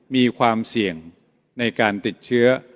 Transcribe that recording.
มีความเสี่ยงในการติดเชื้อ